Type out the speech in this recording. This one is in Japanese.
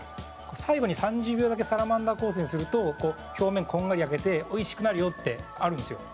最後に３０秒だけサラマンダーコースにすると表面こんがり焼けておいしくなるよってあるんですよ。